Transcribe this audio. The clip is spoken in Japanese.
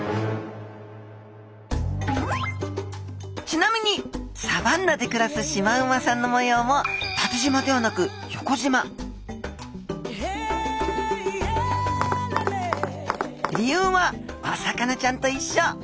ちなみにサバンナで暮らすシマウマさんの模様も縦じまではなく横じま理由はお魚ちゃんといっしょ。